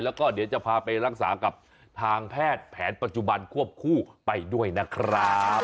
แล้วก็เดี๋ยวจะพาไปรักษากับทางแพทย์แผนปัจจุบันควบคู่ไปด้วยนะครับ